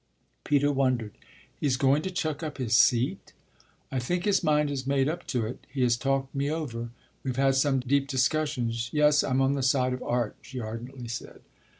Peter wondered. "He's going to chuck up his seat?" "I think his mind is made up to it. He has talked me over we've had some deep discussions. Yes, I'm on the side of art!" she ardently said.